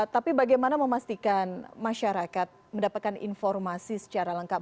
tapi bagaimana memastikan masyarakat mendapatkan informasi secara lengkap